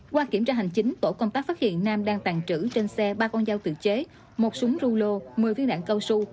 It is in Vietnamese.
qua kiểm tra hành chính tổ công tác phát hiện nam đang tàn trữ trên xe ba con dao tự chế một súng rulo một mươi viên đạn cao su